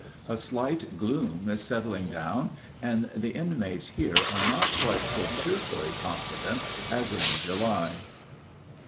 A slight gloom is settling down, and the inmates here are not quite so cheerfully confident as in July.